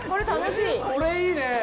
これいいね！